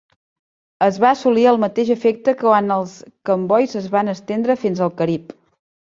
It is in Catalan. Es va assolir el mateix efecte quan els combois es van estendre fins al Carib.